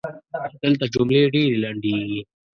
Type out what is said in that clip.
دلته جملې ډېري لنډیږي.